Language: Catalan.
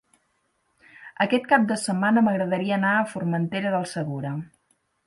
Aquest cap de setmana m'agradaria anar a Formentera del Segura.